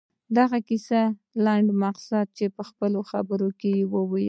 د دغې کیسې لنډ مقصد دې په خپلو خبرو کې ووايي.